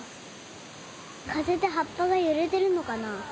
かぜではっぱがゆれてるのかな。